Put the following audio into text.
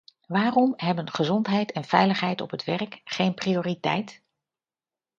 Waarom hebben gezondheid en veiligheid op het werk geen prioriteit?